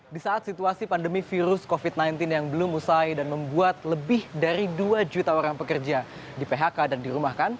di saat situasi pandemi virus covid sembilan belas yang belum usai dan membuat lebih dari dua juta orang pekerja di phk dan dirumahkan